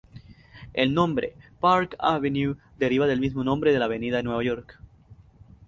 El nombre "Park Avenue" deriva del mismo nombre de la avenida de Nueva York.